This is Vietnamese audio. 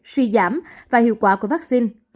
suy giảm và hiệu quả của vắc xin